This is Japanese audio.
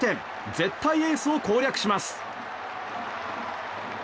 絶対エースを攻略します。